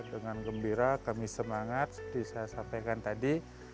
dengan gembira kami semangat seperti saya sampaikan tadi